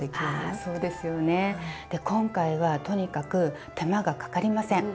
あそうですよね。今回はとにかく手間がかかりません！